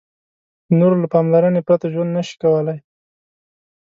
د نورو له پاملرنې پرته ژوند نشي کولای.